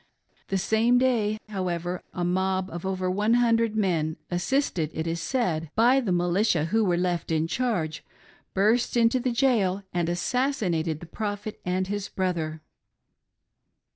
The same day, however, a mob of over one hundred men, assisted, it is said, by the militia who were left in charge, burst into the jail and assassinated the Prophet and his brother.